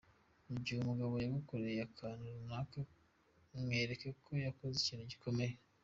Mu gihe umugabo yagukoreye akantu runaka mwereke ko yakoze ikintu gikomeye.